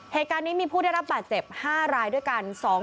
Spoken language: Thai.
เหตุการณ์นี้มีผู้ได้รับบาดเจ็บ๕รายด้วยกัน